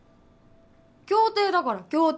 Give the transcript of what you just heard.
協定だから協定！